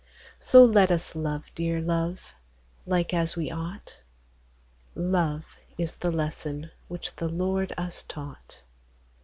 So let us love, deare Love, lyke as we ought : Love is the Lesson which the Lord us taught.